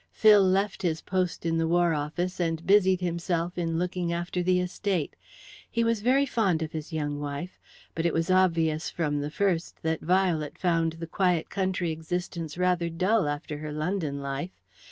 Phil left his post in the War Office, and busied himself in looking after the estate. He was very fond of his young wife, but it was obvious from the first that Violet found the quiet country existence rather dull after her London life.